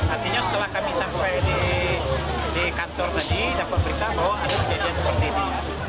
artinya setelah kami sampai di kantor tadi dapat berita bahwa ada kejadian seperti ini